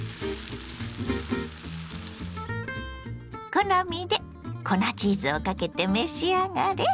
好みで粉チーズをかけて召し上がれ。